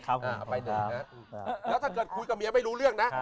แล้วถ้าเกิดคุยกับเมียไม่รู้เรื่องนะ